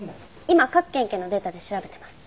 今各県警のデータで調べてます。